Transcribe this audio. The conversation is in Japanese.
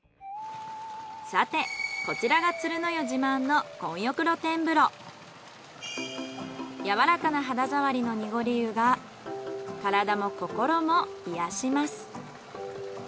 さてこちらが鶴の湯自慢のやわらかな肌触りの濁り湯が体も心も癒やします。